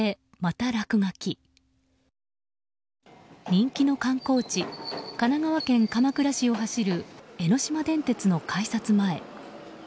人気の観光地神奈川県鎌倉市を走る江ノ島電鉄の改札前。